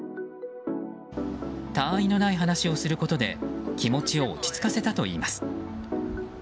他愛のない話をすることで気持ちを落ち着かせたといいます。